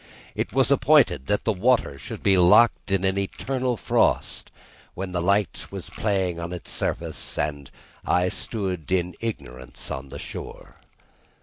It was appointed that the water should be locked in an eternal frost, when the light was playing on its surface, and I stood in ignorance on the shore.